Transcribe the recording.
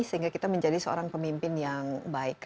sehingga kita menjadi seorang pemimpin yang baik